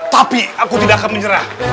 tapi aku tidak akan menyerah